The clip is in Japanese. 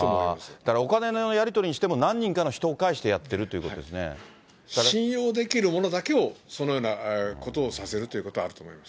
だからお金のやり取りにしても、何人かの人を介してやってる信用できるものだけを、そのようなことをさせるということはあると思います。